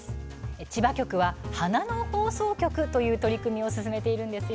千葉局は「花の放送局」という取り組みを進めています。